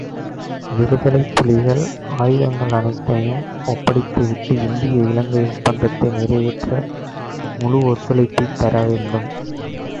விடுதலைப் புலிகள் ஆயுதங்கள் அனைத்தையும் ஒப்படைத்துவிட்டு இந்திய இலங்கை ஒப்பந்தத்தை நிறைவேற்ற முழு ஒத்துழைப்பைத் தரவேண்டும்.